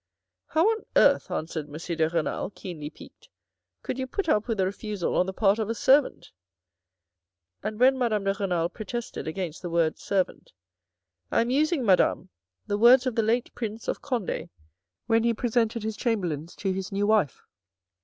" How on earth," answered M. de Renal, keenly piqued, " could you put up with a refusal on the part of a servant," — and, when Madame de Renal protested against the word " Servant," " I am using, madam, the words of the late Prince of Conde, when he presented his Chamberlains to his new wife.